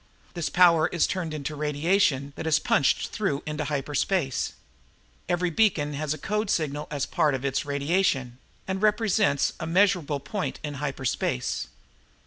This power is turned into radiation that is punched through into hyperspace. Every beacon has a code signal as part of its radiation and represents a measurable point in hyperspace.